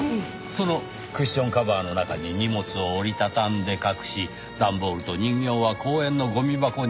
そのクッションカバーの中に荷物を折り畳んで隠し段ボールと人形は公園のゴミ箱に捨てた。